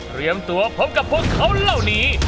เตรียมตัวพบกับพวกเขาเหล่านี้